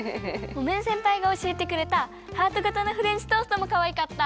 モメンせんぱいがおしえてくれたハートがたのフレンチトーストもかわいかった！